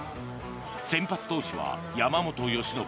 先発投手は山本由伸。